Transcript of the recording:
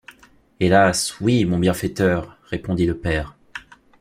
Hélas, oui, mon bienfaiteur! répondit le père.